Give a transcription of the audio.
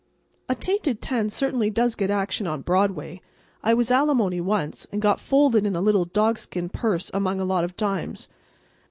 A tainted ten certainly does get action on Broadway. I was alimony once, and got folded in a little dogskin purse among a lot of dimes.